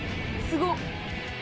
すごっ。